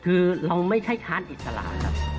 คือเราไม่ใช่ทานอิสระครับ